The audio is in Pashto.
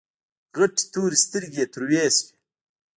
غټې تورې سترګې يې تروې شوې.